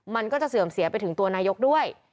มันก็จะเสื่อมเสียไปถึงตัวนายกด้วย